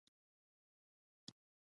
آیا د ایران میرمنې ډیرې پیاوړې نه دي؟